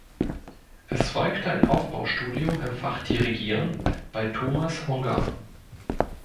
Es folgte ein Aufbaustudium im Fach Dirigieren bei Thomas Ungar.